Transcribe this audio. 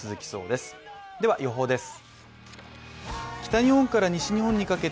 では予報です。